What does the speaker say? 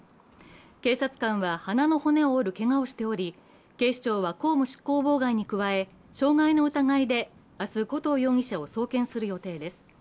警察官は鼻の骨を折るけがをしており、警視庁は公務執行妨害に加え傷害の疑いで明日、古東容疑者を送検する予定です。